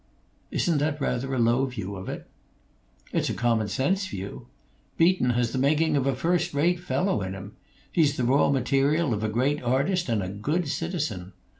"Isn't that rather a low view of it?" "It's a common sense view. Beaton has the making of a first rate fellow in him. He's the raw material of a great artist and a good citizen.